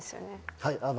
はい。